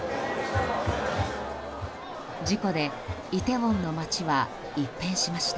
事故でイテウォンの街は一変しました。